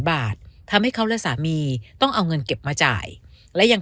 บาททำให้เขาและสามีต้องเอาเงินเก็บมาจ่ายและยัง